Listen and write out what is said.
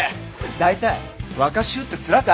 大体若衆って面か！